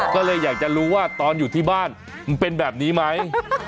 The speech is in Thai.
ก็เลยอยากจะรู้ว่าตอนอยู่ที่บ้านมันเป็นแบบนี้ไหม